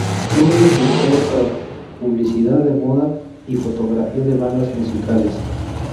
Fue muy utilizado para publicidad de moda y fotografía de bandas musicales.